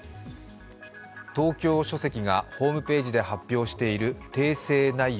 東京書籍がホームページで発表している訂正内容